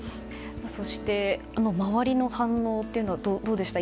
そして、周りの反応というのはどうでしたか。